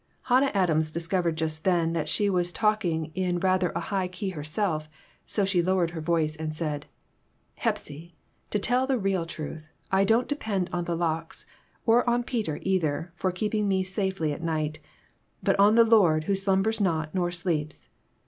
Hannah Adams discovered just then that she was talking in rather a high key herself, so she lowered her voice and said "Hepsy, to tell the real truth, I don't depend on the locks, or on Peter either, for keeping me safely at night, but on the Lord, who slumbers not nor sleeps.